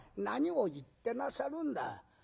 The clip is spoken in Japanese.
何を言ってなさるんだ。